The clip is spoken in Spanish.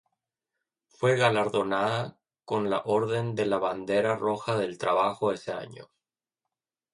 Fue galardonada con la Orden de la Bandera Roja del Trabajo ese año.